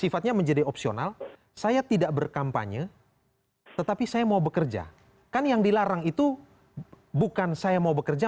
sifatnya menjadi opsional saya tidak berkampanye tetapi saya mau bekerja kan yang dilarang itu bukan saya mau bekerja